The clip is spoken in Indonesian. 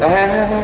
bisa di rumah